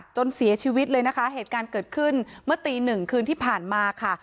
จนเสียชีวิตเลยนะคะเหตุการณ์เกิดขึ้นเมื่อตีหนึ่งคืนที่ผ่านมาค่ะ